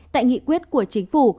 tại nghị quyết của chính phủ